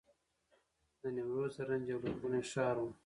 د نیمروز زرنج یو لرغونی ښار و